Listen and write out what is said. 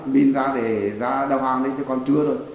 bin ra để ra đào hàng đi chứ còn trưa rồi